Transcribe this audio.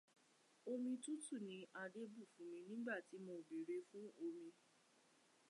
Omi tútù ni Adé bù fún mi nígbàtí mo bèrè fun omi.